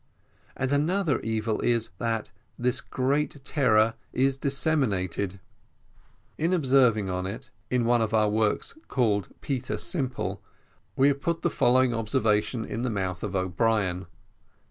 And another evil is, that this great error is disseminated. In observing on it, in one of our works, called Peter Simple, we have put the following true observation in the mouth of O'Brien.